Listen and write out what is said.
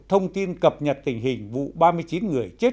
thông tin cập nhật tình hình vụ ba mươi chín người chết